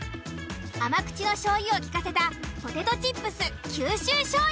甘口のしょうゆをきかせたポテトチップス九州しょうゆ。